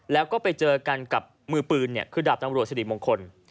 แล้วก็ไปเจอกันกับมือปืนคือดาบตำรวจสิริมงคล